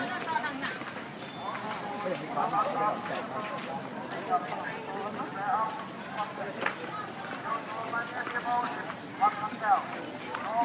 จะแจกให้ครบให้หมดในวันนี้เลยนะครับไม่เอากลับไปแน่นอน